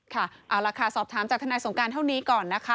ค่ะเอาล่ะค่ะสอบถามจากทนายสงการเท่านี้ก่อนนะคะ